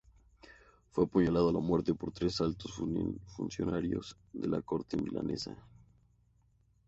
Fue apuñalado a muerte por tres altos funcionarios de la corte milanesa.